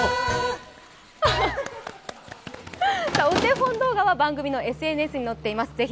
お手本動画は番組のＳＮＳに載っています。